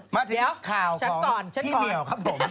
มาถึงข่าวของพี่เหมียวครับผม